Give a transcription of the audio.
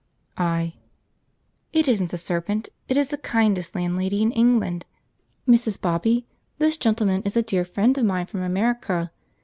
I. "It isn't a serpent; it is the kindest landlady in England. Mrs. Bobby, this gentleman is a dear friend of mine from America.